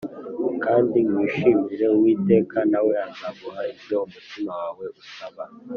Kandi wishimire uwiteka, na we azaguha ibyo umutima wawe usaba